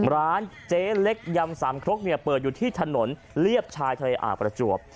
ร้านเจ๊เล็กยำสามครกเปิดอยู่ที่ถนนเลียบชายทะเลอ่าวประจวบ